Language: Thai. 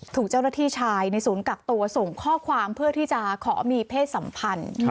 ถูกเจ้าหน้าที่ชายในศูนย์กักตัวส่งข้อความเพื่อที่จะขอมีเพศสัมพันธ์